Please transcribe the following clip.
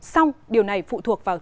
xong điều này phụ thuộc vào